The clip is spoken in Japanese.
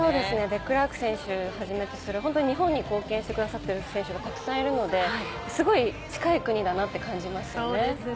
デクラーク選手をはじめとする日本に貢献してくださっている選手がたくさんいるので、すごい近い国だなって感じますよね。